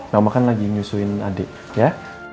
mama kan lagi nyusuin adik ya